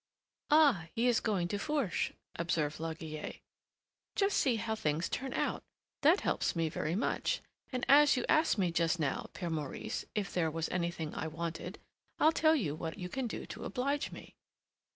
"Ah! he is going to Fourche?" observed La Guillette. "Just see how things turn out! that helps me very much, and as you asked me just now, Père Maurice, if there was anything I wanted, I'll tell you what you can do to oblige me."